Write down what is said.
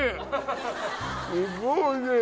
すっごいおいしい